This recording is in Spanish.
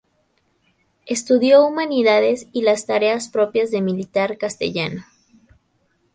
Estudió Humanidades y las tareas propias de militar castellano.